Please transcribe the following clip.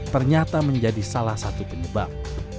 ternyata menjadi salah satu penyebab